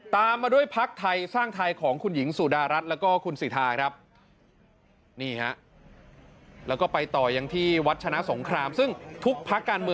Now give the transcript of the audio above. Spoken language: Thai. ตามมาด้วยพักไทยสร้างไทยของคุณหญิงสุดารัฐแล้วก็คุณสิทาครับ